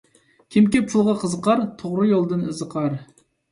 كىمكى پۇلغا قىزىقار، توغرا يولدىن ئېزىقار.